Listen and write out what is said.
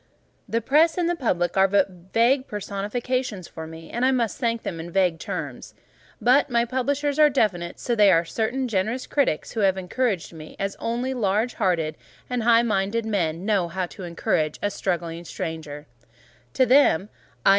The Press and the Public are but vague personifications for me, and I must thank them in vague terms; but my Publishers are definite: so are certain generous critics who have encouraged me as only large hearted and high minded men know how to encourage a struggling stranger; to them, _i.